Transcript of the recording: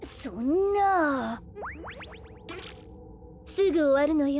すぐおわるのよ。